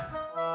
nggak minum air